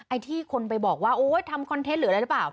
ไอ้ที่คนไปบอกว่าโอ๊ยทำคอนเทนต์หรืออะไรหรือเปล่า